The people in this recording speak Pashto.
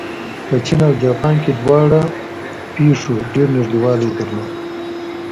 په چین او جاپان کې دواړو پېښو ډېر نږدېوالی درلود.